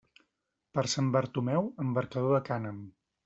Per Sant Bartomeu, embarcador de cànem.